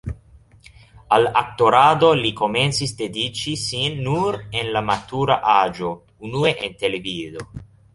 Al aktorado li komencis dediĉi sin nur en la matura aĝo, unue en televido.